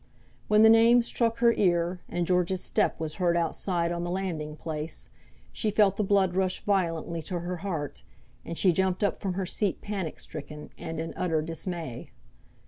When the name struck her ear, and George's step was heard outside on the landing place, she felt the blood rush violently to her heart, and she jumped up from her seat panic stricken and in utter dismay.